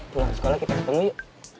pulang sekolah kita ketemu yuk